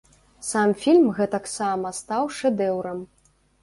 Сам фільм гэтаксама стаў шэдэўрам.